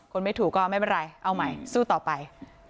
ไม่ถูกก็ไม่เป็นไรเอาใหม่สู้ต่อไป